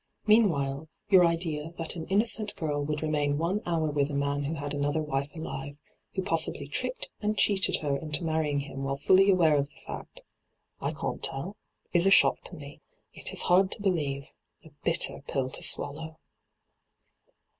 ' Meanwhile, your idea that an innocent girl would remain one hour with a man who had another wife alive, who possibly tricked and cheated her into marrying him while fully aware of the fact — I can't tell — is a shock to me. It is hard to believe — a bitter pill to swallow.